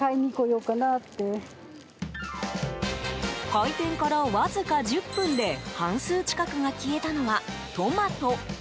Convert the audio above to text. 開店から、わずか１０分で半数近くが消えたのは、トマト。